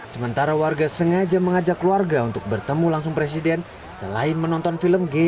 sementara warga sengaja mengajak keluarga untuk bertemu langsung presiden selain menonton film g tiga puluh spki